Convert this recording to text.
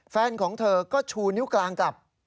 แฟนของเธอก็ชูนิ้วกลางกลับ